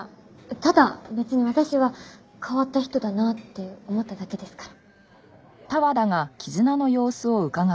ただ別に私は変わった人だなって思っただけですから。